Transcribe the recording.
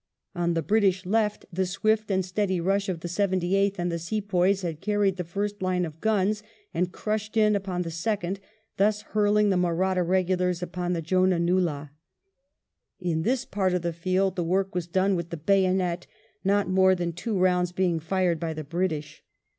On the British left the swift and steady rush of the Seventy eighth and the Sepoys had carried the first line of guns and crushed in upon the second, thus hurling the Mahratta regulars upon the Jouah nullah. In this part of the field Ill BATTLE OF ASSAYE 77 the work was done with the bayonet, not more than two rounds being j&red by the British.